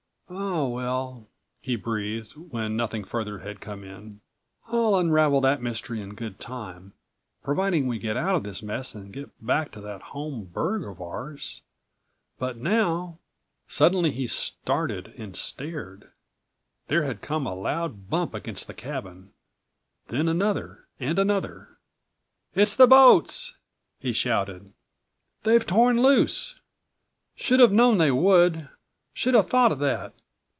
"Ah, well," he breathed, when nothing further had come in, "I'll unravel that mystery in good time, providing we get out of this mess and get back to that home burg of ours. But now—"205 Suddenly he started and stared. There had come a loud bump against the cabin; then another and another. "It's the boats!" he shouted. "They've torn loose. Should have known they would. Should have thought of that.